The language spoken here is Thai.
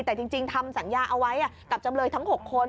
แต่จริงทำสัญญาเอาไว้กับจำเลยทั้ง๖คน